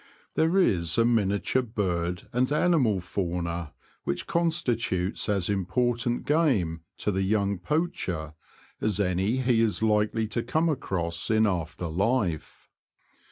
There is a miniature bird and animal fauna which constitutes as important game to the young poacher as any he is likely to come across in after life.